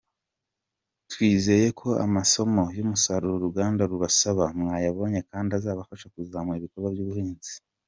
Twizeye ko amasomo y’umusaruro uruganda rubasaba, mwayabonye kandi azabafasha kuzamura ibikorwa by’ubuhinzi.